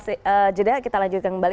nanti setelah jeda dulu kita lanjutkan kembali